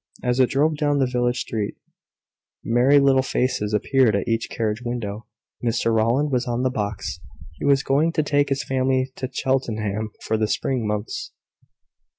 As it drove down the village street, merry little faces appeared at each carriage window. Mr Rowland was on the box. He was going to take his family to Cheltenham for the spring months.